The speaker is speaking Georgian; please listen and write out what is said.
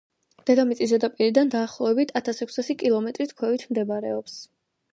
დედამიწის ზედაპირიდან დაახლოებით ათას ექვსასი კილომეტრით ქვევით მდებარეობს.